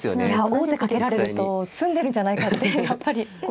王手かけられると詰んでるんじゃないかってやっぱり。